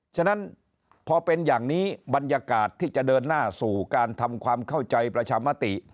ฉะนั้นพอเป็นอย่างนี้บรรยากาศที่จะเดินหน้าสู่การทำความเข้าใจประชามติ